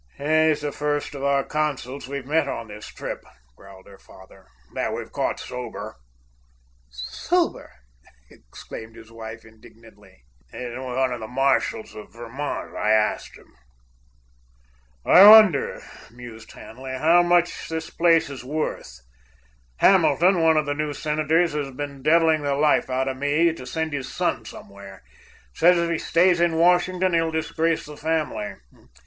"He's the first of our consuls we've met on this trip," growled her father, "that we've caught sober." "Sober!" exclaimed his wife indignantly. "He's one of the Marshalls of Vermont. I asked him." "I wonder," mused Hanley, "how much the place is worth? Hamilton, one of the new senators, has been deviling the life out of me to send his son somewhere. Says if he stays in Washington he'll disgrace the family.